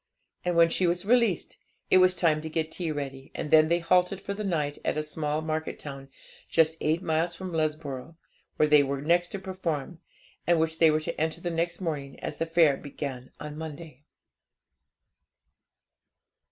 And when she was released, it was time to get tea ready; and then they halted for the night at a small market town, just eight miles from Lesborough, where they were next to perform, and which they were to enter the next morning, as the fair began on Monday.